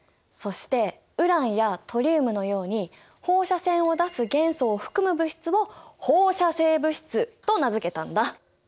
そしてウランやトリウムのように放射線を出す元素を含む物質を放射性物質と名付けたんだ。